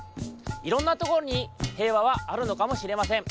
いろんなところに平和はあるのかもしれません。